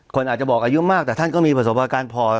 คนอาจจะบอกอายุมากแต่ท่านก็มีประสบการณ์พอ